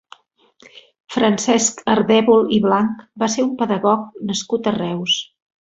Francesc Ardèvol i Blanch va ser un pedagog nascut a Reus.